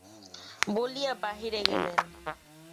বলিয়া বাহিরে গেলেন।